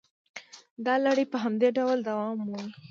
دا لړۍ په همدې ډول دوام مومي